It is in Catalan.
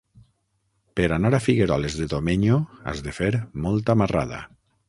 Per anar a Figueroles de Domenyo has de fer molta marrada.